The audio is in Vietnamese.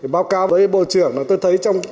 báo cáo với bộ trưởng là tôi thấy trong